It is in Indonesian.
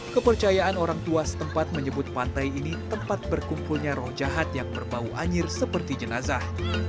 kepercayaan orang tua setempat menyebut pantai ini tempat berkumpulnya roh jahat yang berbau anjir seperti jenazah